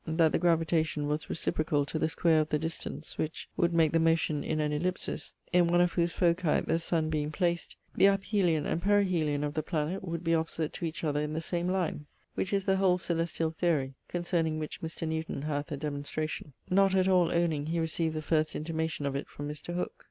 that the gravitation was reciprocall to the square of the distance, ['which would make the motion in an ellipsis, in one of whose foci the sun being placed, the aphelion and perihelion of the planet would be opposite to each other in the same line, which is the whole coelestiall theory, concerning which Mr. Newton hath a demonstration,'] not at all owning he receiv'd the first intimation of it from Mr. Hooke.